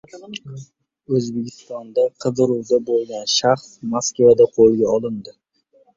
O‘zbekistonda qidiruvda bo‘lgan shaxs Moskvada qo‘lga olindi